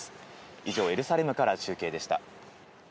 以上、エルサレムから中継でした。